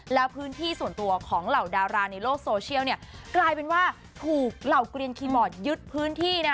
แล้วพื้นที่ส่วนตัวของเหล่าดาราในโลกโซเชียลเนี่ยกลายเป็นว่าถูกเหล่าเกลียนคีย์บอร์ดยึดพื้นที่นะ